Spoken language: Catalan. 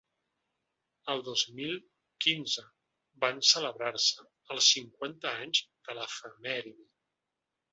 El dos mil quinze van celebrar-se els cinquanta anys de l’efemèride.